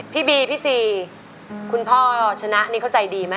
พี่บีพี่ซีคุณพ่อชนะนี่เขาใจดีไหม